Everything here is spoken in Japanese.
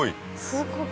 すごい。